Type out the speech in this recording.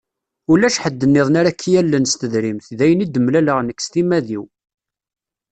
Ulac ḥedd-nniḍen ara ak-yallen s tedrimt, d ayen i d-mmlaleɣ nekk s timmad-iw.